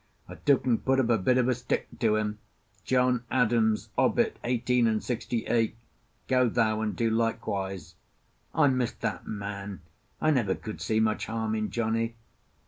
I took and put up a bit of a stick to him: 'John Adams, obit eighteen and sixty eight. Go thou and do likewise.' I missed that man. I never could see much harm in Johnny."